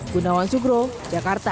gunawan sugro jakarta